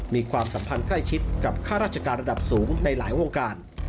มีความสัมพันธ์ใกล้ชิดกับค่าราชการระดับสูงในหลายวงการ